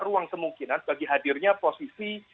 ruang kemungkinan bagi hadirnya posisi